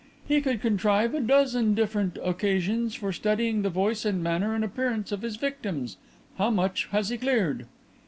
"He could contrive a dozen different occasions for studying the voice and manner and appearance of his victims. How much has he cleared?"